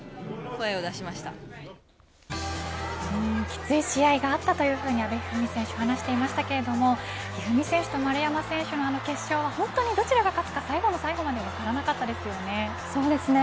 きつい試合があったというふうに阿部一二三選手話していましたけれど一二三選手と丸山選手の決勝は本当にどちらが勝つか最後の最後まで分からなかったですよね。